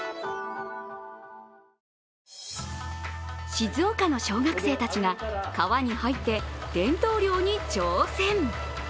静岡の小学生たちが川に入って伝統漁に挑戦！